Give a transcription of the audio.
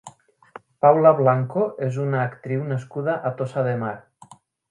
Paula Blanco és una actriu nascuda a Tossa de Mar.